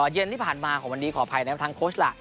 เย็นที่ผ่านมาของวันนี้ขออภัยนะครับทางโค้ชล่ะ